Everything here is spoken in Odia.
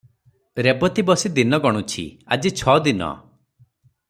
ରେବତୀ ବସି ଦିନ ଗଣୁଛି, ଆଜି ଛ ଦିନ।